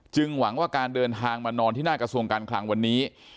หวังว่าการเดินทางมานอนที่หน้ากระทรวงการคลังวันนี้